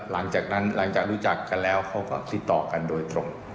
แล้วหลังจากรู้จักกันแล้วเขาก็ติดต่อกันโดยตรง